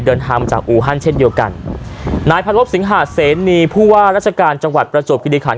เดินทางมาจากอูฮันเช่นเดียวกันนายพระรบสิงหาเสนีผู้ว่าราชการจังหวัดประจวบคิริขัน